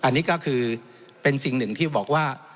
อันนี้ก็คือเป็นสิ่งหนึ่งที่บอกว่า